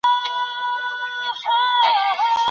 غړو به د سېلابونو د ويجاړيو د جبران قانون جوړ کړی وي.